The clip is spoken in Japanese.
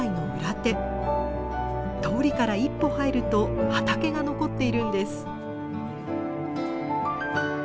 通りから一歩入ると畑が残っているんです。